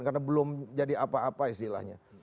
karena belum jadi apa apa istilahnya